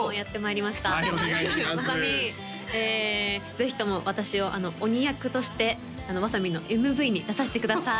ぜひとも私を鬼役としてわさみんのＭＶに出さしてください